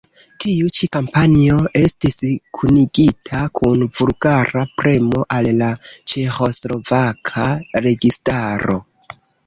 Tiu ĉi kampanjo estis kunigita kun vulgara premo al la ĉeĥoslovaka registaro.